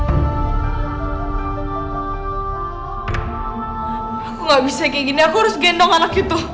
aku gak bisa kayak gini aku harus gendong anak itu